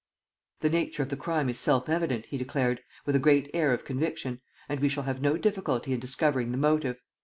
] "The nature of the crime is self evident," he declared, with a great air of conviction, "and we shall have no difficulty in discovering the motive.